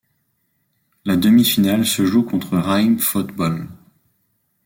La demi-finale se joue contre Ranheim Fotball.